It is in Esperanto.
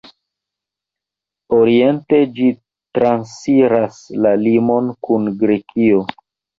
Oriente ĝi transiras la limon kun Grekio.